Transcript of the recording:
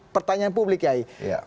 pertanyaan publik yai